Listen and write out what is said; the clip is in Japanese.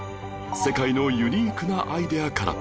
世界のユニークなアイデアから